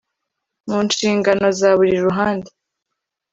Munshingano za buri ruhande